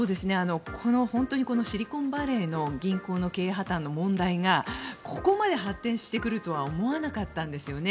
本当にシリコンバレーの銀行の経営破たんの問題がここまで発展してくるとは思わなかったんですよね。